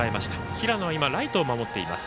平野は今、ライトを守っています。